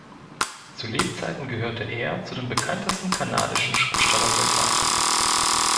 Zu Lebzeiten gehörte er zu den bekanntesten kanadischen Schriftstellern weltweit.